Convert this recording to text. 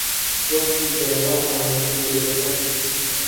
وەک شیکەرەوە ئاماژەی پێ دەکەن